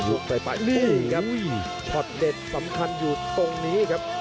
โอ้โหชอตเด็ดสำคัญอยู่ตรงนี้ครับ